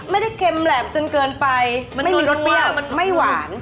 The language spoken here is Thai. ไม่ได้เค็มแหลมจนเกินไปไม่มีรสเปรี้ยวไม่หวาน